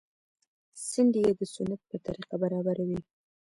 څنډې يې د سنت په طريقه برابرې وې.